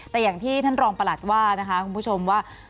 แต่อย่างที่ท่านรองประหลัดว่านะคะคุณผู้ชมว่า